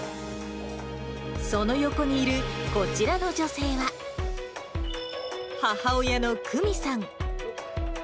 その横にいるこちらの女性は、母親の久美さん。